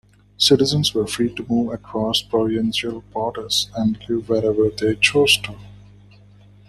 Citizens were free to move across provincial borders and live wherever they chose to.